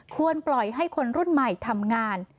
ควรปล่อยให้คนรุ่นใหม่ทำงาน